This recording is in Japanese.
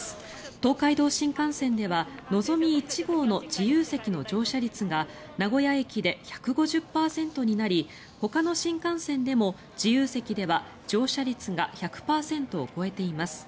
東海道新幹線ではのぞみ１号の自由席の乗車率が名古屋駅で１５０％になりほかの新幹線でも自由席では乗車率が１００％を超えています。